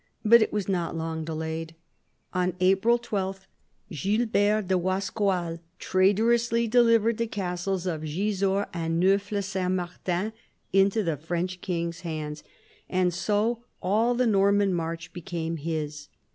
But it was not long delayed. On April 12 Gilbert de Wascoil traitorously delivered the castles of Gisors and Neaufle Saint Martin into the French king's hands ; and so all the Norman march became his.